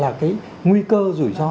là cái nguy cơ rủi ro